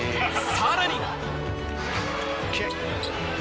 さらに！